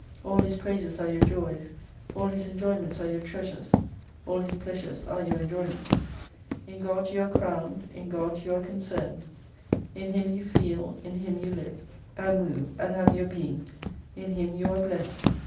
All His praises are your joys, all His enjoyments are your treasures, all His pleasures are your enjoyments. In God you are crowned, in God you are concerned. In Him you feel, in Him you live, 35 and move, and have your being, in Him you arc blessed.